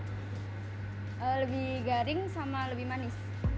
lebih garing sama lebih manis